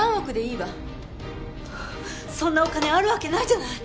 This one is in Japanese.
そんなお金あるわけないじゃない。